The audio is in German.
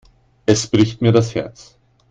Es bricht mir das Herz.